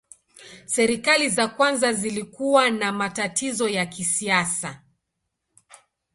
Serikali za kwanza zilikuwa na matatizo ya kisiasa.